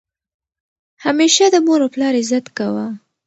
همیشه د مور او پلار عزت کوه!